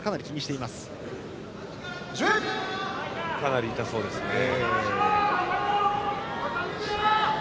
かなり痛そうですね。